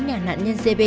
nhà nạn nhân gb